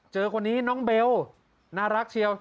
คนนี้น้องเบลน่ารักเชียว